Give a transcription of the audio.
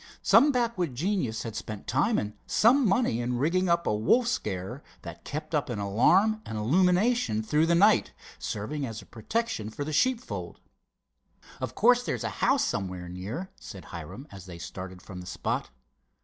Some backwood genius had spent time and some money in rigging up a wolf scarer that kept up an alarm and illumination through the night, serving as a protection for the sheepfold. "Of course there's a house somewhere near," said Hiram, as they started from the spot.